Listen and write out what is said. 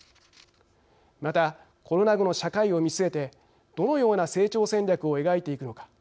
また、コロナ後の社会を見据えてどのような成長戦略を描いていくのか。